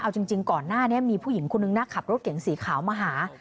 เอาจริงก่อนหน้านี้มีผู้หญิงคนนึงนะขับรถเก๋งสีขาวมาหา